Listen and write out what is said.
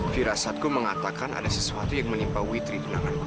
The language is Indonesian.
firasatku mengatakan ada sesuatu yang menimpa witri di tanganku